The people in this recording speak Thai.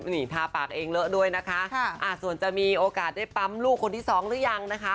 นี่ทาปากเองเลอะด้วยนะคะส่วนจะมีโอกาสได้ปั๊มลูกคนที่สองหรือยังนะคะ